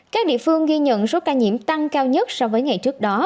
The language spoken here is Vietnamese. các địa phương ghi nhận số ca nhiễm tăng cao nhất so với ngày trước đó